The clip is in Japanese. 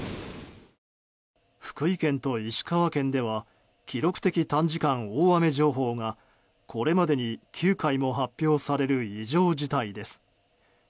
福井県と石川県では記録的短時間大雨情報がこれまでに９回も発表される異常事態です。